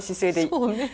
そうね。